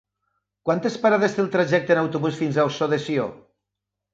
Quantes parades té el trajecte en autobús fins a Ossó de Sió?